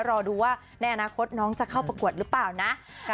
รอดูว่าในอนาคตน้องจะเข้าประกวดหรือเปล่านะ